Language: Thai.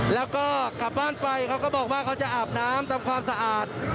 แล้วก็กลับบ้านไปเขาก็บอกว่าเขาจะอาบน้ำทำความสะอาด